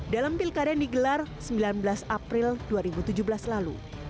dalam pilkada yang digelar sembilan belas april dua ribu tujuh belas lalu